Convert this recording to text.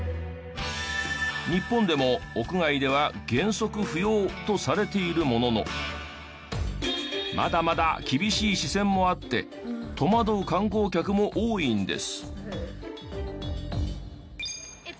日本でも屋外では原則不要とされているもののまだまだ厳しい視線もあって戸惑う観光客も多いんです。